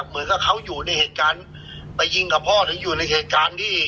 เหมือนกับเขาอยู่ในเหตุการณ์ไปยิงกับพ่อหรืออยู่ในเหตุการณ์ที่